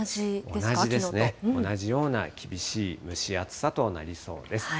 同じですね、同じような厳しい蒸し暑さとなりそうです。